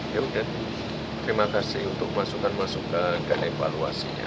ya mungkin terima kasih untuk masukan masukan dan evaluasinya